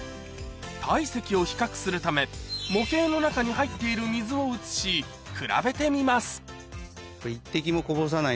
体積を比較するため模型の中に入っている水を移し比べてみます